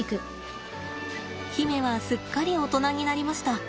媛はすっかり大人になりました。